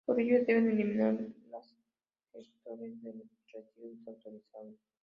Por ello, deben eliminarlas gestores de residuos autorizados.